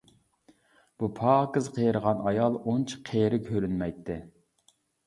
بۇ پاكىز قېرىغان ئايال ئۇنچە قېرى كۆرۈنمەيتتى.